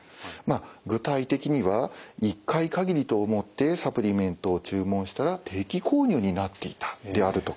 具体的には１回限りと思ってサプリメントを注文したら定期購入になっていたであるとか。